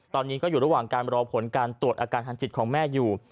ตอนนี้ก็อยู่ระหว่างการรอผลการตรวจอาการทางจิตของแม่อยู่